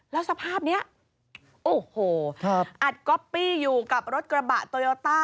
แล้วสภาพนี้โอ้โหอัดก๊อปปี้อยู่กับรถกระบะโตโยต้า